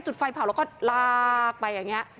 ไฟเผาแล้วก็ลากไปอย่างนี้